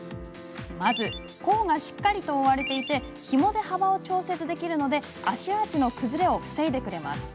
甲がしっかりと覆われていてひもで幅を調節できるので足アーチの崩れを防いでくれます。